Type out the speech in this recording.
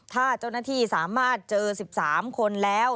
ถ้าเจ้าหน้าที่สามารถเจอ๑๓คนแล้ว